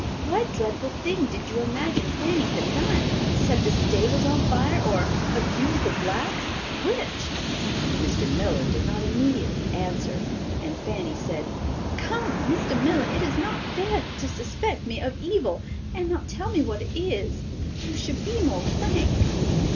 What dreadful thing did you imagine Fanny had done—set the stables on fire, or abused the blacks—which?" Mr. Miller did not immediately answer; and Fanny said: "Come, Mr. Miller, it is not fair to suspect me of evil and not tell what it is. You should be more frank."